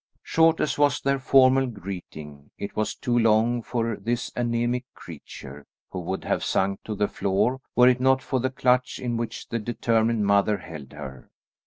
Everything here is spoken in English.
Short as was their formal greeting, it was too long for this anæmic creature, who would have sunk to the floor were it not for the clutch in which the determined mother held her.